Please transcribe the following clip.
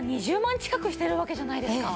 近くしてるわけじゃないですか。